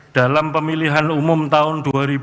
dalam pemilihan umum tahun dua ribu dua puluh empat